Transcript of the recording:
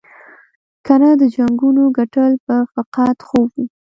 کنه د جنګونو ګټل به فقط خوب وي.